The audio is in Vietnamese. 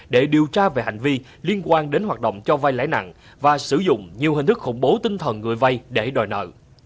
để điều tra về hành vi liên quan đến hoạt động cho vai lãi nặng và sử dụng nhiều hình thức khủng bố tinh thần người vay để đòi nợ